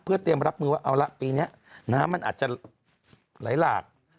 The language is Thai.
เพื่อเตรียมรับมือว่าเอาละปีนี้น้ำมันอาจจะไหลหลาก